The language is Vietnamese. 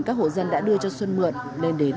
các hộ dân đã đưa cho xuân mượn lên đến